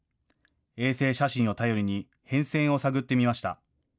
衛星写真を頼りに変遷を探ってみました。